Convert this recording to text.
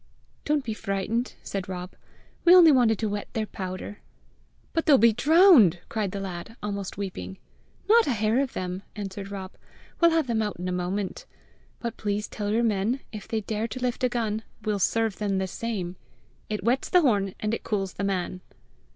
"Don't be frightened," said Rob; "we only wanted to wet their powder!" "But they'll be drowned!" cried the lad, almost weeping. "Not a hair of them!" answered Rob. "We'll have them out in a moment! But please tell your men, if they dare to lift a gun, we'll serve them the same. It wets the horn, and it cools the man!"